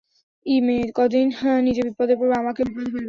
ই মেয়ে কদিন নিজে বিপদে পড়বে, আমাকেও বিপদে ফেলবে।